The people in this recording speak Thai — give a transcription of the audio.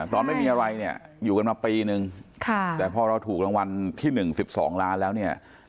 ตอนไม่มีอะไรเนี่ยอยู่กันมาปีนึงแต่พอเราถูกรางวัลที่๑๑๒ล้านแล้วเนี่ย